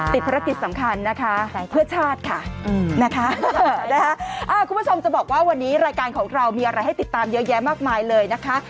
ภารกิจสำคัญนะคะเพื่อชาติค่ะนะคะคุณผู้ชมจะบอกว่าวันนี้รายการของเรามีอะไรให้ติดตามเยอะแยะมากมายเลยนะคะ